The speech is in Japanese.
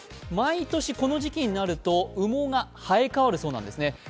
毎年この時期になると羽毛が生えかわるそうなんですね。